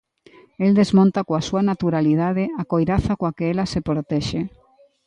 El desmonta, coa súa naturalidade, a coiraza coa que ela se protexe.